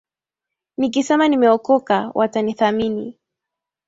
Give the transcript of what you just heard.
Nikisema nimeokoka, watanithamini.